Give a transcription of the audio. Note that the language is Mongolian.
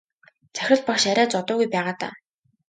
Захирал багш арай зодоогүй байгаа даа.